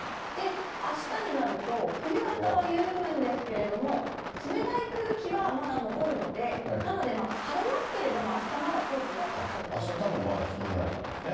あしたになると、冬型は緩むんですけれども、冷たい空気はまだ残るので、なので、晴れますけれども、あした、あしたもまだひんやりなんですね。